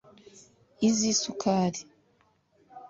iz’isukari